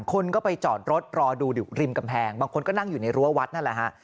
คนก็ไปจอดรถรอดูอยู่ริมกำแพงบางคนก็นั่งอยู่ในรั้ววัดนั่นแหละฮะ